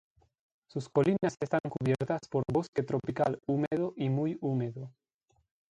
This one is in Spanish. Sus colinas están cubiertas por bosque tropical húmedo y muy húmedo.